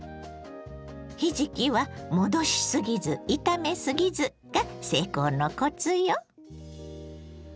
ひじきは戻しすぎず炒めすぎずが成功のコツよ！